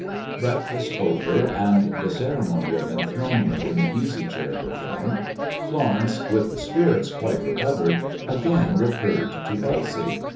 Breakfast over, and the ceremony of enthronement in the easy chair performed, Florence, with spirits quite recovered, again recurred to Elsie.